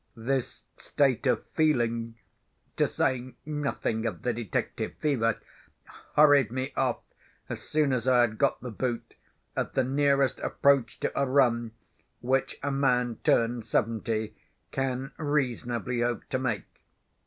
This state of feeling (to say nothing of the detective fever) hurried me off, as soon as I had got the boot, at the nearest approach to a run which a man turned seventy can reasonably hope to make.